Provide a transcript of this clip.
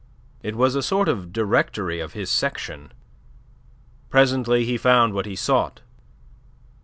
It was a sort of directory of his section. Presently he found what he sought.